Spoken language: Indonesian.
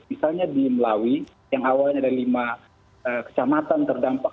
misalnya di melawi yang awalnya ada lima kecamatan terdampak